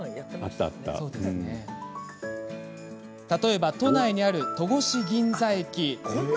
例えば、都内にある戸越銀座駅。